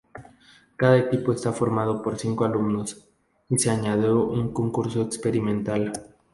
Cada equipo estaba formado por cinco alumnos, y se añadió un concurso experimental.